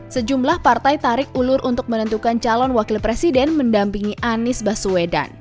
sejumlah partai tarik ulur untuk menentukan calon wakil presiden mendampingi anies baswedan